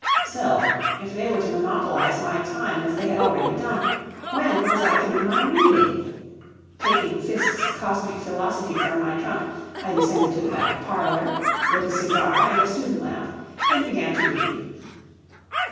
Still, if they were to monopolize my time as they had already done, when was I to do my reading? Taking Fiske's "Cosmic Philosophy" from my trunk I descended to the back parlor, lit a cigar and a student lamp, and began to read.